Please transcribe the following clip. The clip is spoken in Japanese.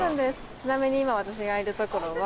ちなみに今私がいる所は。